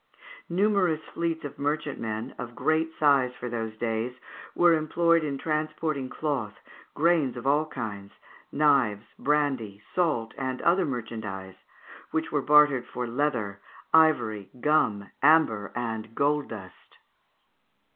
Numerous fleets of merchantmen, of great size for those days, were employed in transporting cloth, grain of all kinds, knives, brandy, salt, and other merchandise, which were bartered for leather, ivory, gum, amber, and gold dust.